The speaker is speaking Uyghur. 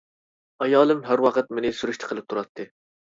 ئايالىم ھەر ۋاقىت مېنى سۈرۈشتە قىلىپ تۇراتتى.